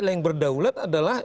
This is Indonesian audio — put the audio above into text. yang berdaulat adalah